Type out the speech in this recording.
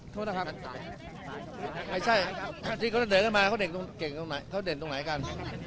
โทษนะครับไม่ใช่ทุกคนเค้าเด่นตรงไหนกัน